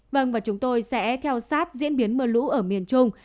vâng và chúng tôi sẽ theo sát diễn biến mưa lũ ở miền trung